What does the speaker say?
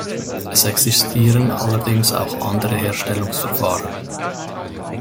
Es existieren allerdings auch andere Herstellungsverfahren.